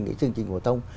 cái chương trình phổ tông